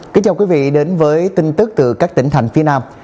kính chào quý vị đến với tin tức từ các tỉnh thành phía nam